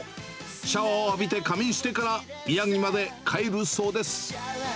シャワーを浴びて仮眠してから宮城まで帰るそうです。